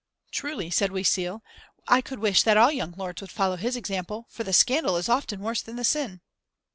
"Truly," said Oisille, "I could wish that all young lords would follow his example, for the scandal is often worse than the sin."